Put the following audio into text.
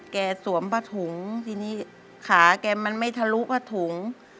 แกสวมประถุงที่นี่ขาแกมันไม่ทะลุประถุง